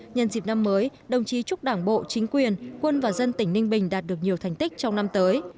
nhân dịp năm mới đồng chí chúc đảng bộ chính quyền quân và dân tỉnh ninh bình đạt được nhiều thành tích trong năm tới